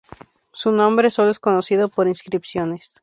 Su nombre solo es conocido por inscripciones.